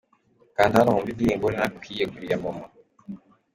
Kanda hano wumve indirimbo Narakwiyeguriye ya Momo.